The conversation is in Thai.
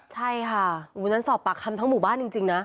ใช่ค่ะวันนั้นสอบปากคำทั้งหมู่บ้านจริงนะ